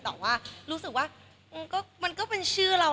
แต่ว่ารู้สึกว่ามันก็เป็นชื่อเรา